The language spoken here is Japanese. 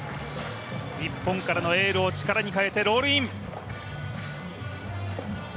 日本からのエールを力に変えてロールイン。